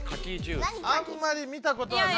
あんまり見たことはないですけど。